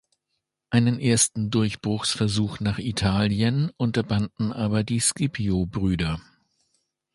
Einen ersten Durchbruchsversuch nach Italien unterbanden aber die Scipio-Brüder.